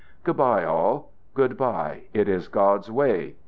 "Good bye, all; good bye. It is God's way.